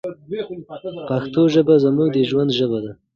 پښتو ژبه زموږ د ژوند ژبه ده.